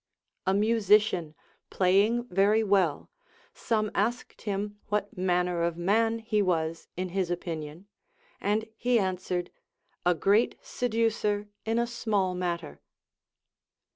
A musician playing very Avell, some asked him what manner of man he was in his opinion, and he an swered, A great seducer in a small matter.